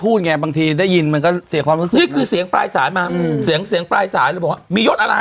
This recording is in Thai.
อืม